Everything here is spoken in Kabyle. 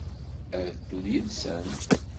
Ad d-ddun yid-sent?